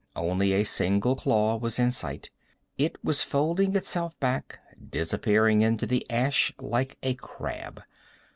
Only a single claw was in sight. It was folding itself back, disappearing into the ash, like a crab.